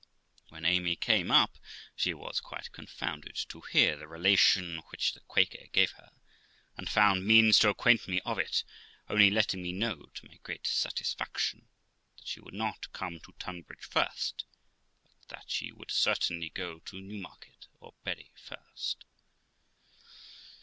When Amy came up, she was quite confounded to hear the relation which the Quaker gave her, and found means to acquaint me of it; only letting me know, to my great satisfaction, that she would not come to Tunbridge first, but that she would certainly go to Newmarket or Bury first.